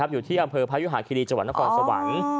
อยู่ที่อำเภอพยุหาคิรีจังหวัดนครสวรรค์